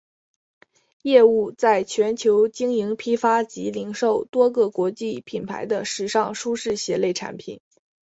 业务在全球经营批发及零售多个国际品牌的时尚舒适鞋类产品。